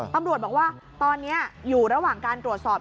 ตำรวจบอกว่าตอนนี้อยู่ระหว่างการตรวจสอบ